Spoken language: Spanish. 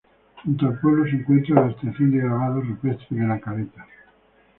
Junto al pueblo se encuentra la estación de grabados rupestres de La Caleta.